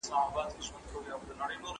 کاسې دې ماتولې که توبې پۀ مېخانه کښې